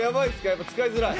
やっぱり使いづらい？